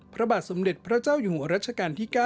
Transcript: พระบาทสมเด็จพระเจ้าอยู่หัวรัชกาลที่๙